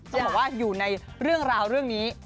จะบอกว่าอยู่ในเรื่องราวเรื่องนี้